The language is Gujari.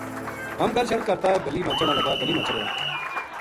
ہم گل شل کر تا گلی ما چڑھاں لگا گلی ما چڑھیا